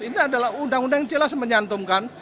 ini adalah undang undang yang jelas menyantumkan